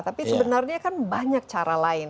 tapi sebenarnya kan banyak cara lain